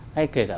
hay kể cả